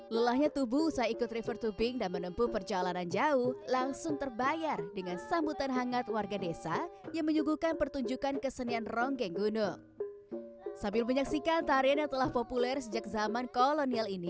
lelahnya tubuh usai ikut river tubing dan menempuh perjalanan jauh langsung terbayar dengan sambutan hangat warga desa yang menyuguhkan pertunjukan kesenian ronggeng gunung sambil menyaksikan tarian yang telah populer sejak zaman kolonial